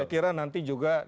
saya kira nanti juga